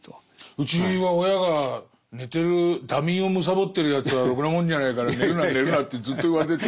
うちは親が寝てる惰眠をむさぼってるやつはろくなもんじゃないから寝るな寝るなってずっと言われてて。